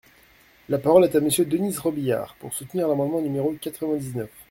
La parole est à Monsieur Denys Robiliard, pour soutenir l’amendement numéro quatre-vingt-dix-neuf.